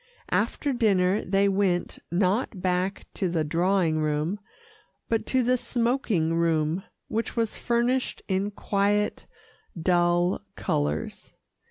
After dinner they went, not back to the drawing room, but to the smoking room, which was furnished in quiet, dull colours.